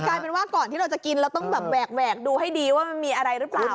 คือกลายเป็นว่าก่อนที่เราจะกินเราต้องแวกดูให้ดีว่ามันมีอะไรรึเปล่านะฮะ